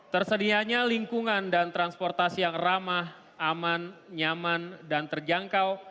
tersedianya lingkungan dan transportasi yang ramah aman nyaman dan terjangkau